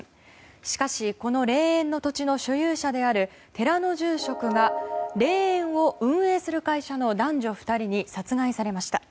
しかし、この霊園の土地の所有者である寺の住職が霊園を運営する会社の男女２人に殺害されました。